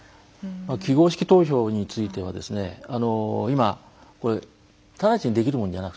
記号式投票については今直ちにできるものじゃなくて。